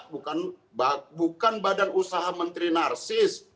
bukan badan usaha menteri narsis